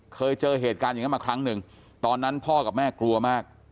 เคยเจอเหตุการณ์อย่างนั้นมาครั้งหนึ่งตอนนั้นพ่อกับแม่กลัวมาก